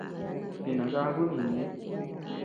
Jinangaku íñ ñeʼe.